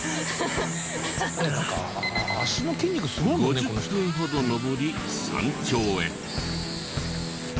５０分ほど登り山頂へ。